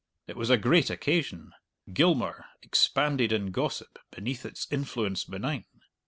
It was a great occasion. Gilmour expanded in gossip beneath its influence benign.